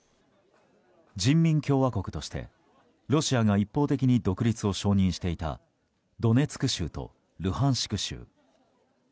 人民共和国としてロシアが一方的に独立を承認していたドネツク州とルハンシク州。